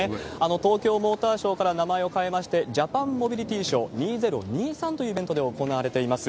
東京モーターショーから名前を変えまして、ジャパンモビリティショー２０２３というイベントで行われています。